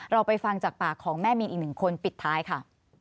เราไปฟังจากปากของแม่มีนอีกหนึ่งคนปิดท้ายค่ะ